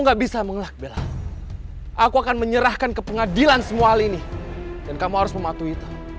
nggak bisa mengelak bella aku akan menyerahkan ke pengadilan semua ini dan kamu harus mematuhi